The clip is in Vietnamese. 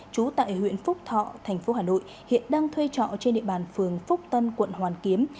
trú tại huyện phúc thọ thành phố hà nội hiện đang thuê trọ trên địa bàn phường phúc tân quận hoàn kiếm